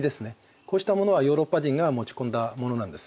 こうしたものはヨーロッパ人が持ち込んだものなんです。